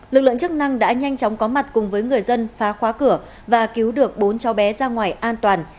lực lượng chức năng đã nhanh chóng có mặt cùng với người dân phá khóa cửa và cứu được bốn cháu bé ra ngoài an toàn